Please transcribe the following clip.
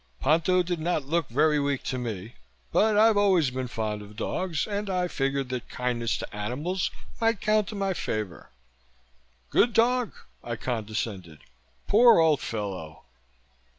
Ponto did not look very weak to me, but I've always been fond of dogs and I figured that kindness to animals might count in my favor. "Good dog," I condescended. "Poor old fellow!"